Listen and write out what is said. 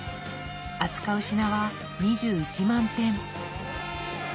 扱う品は２１万点。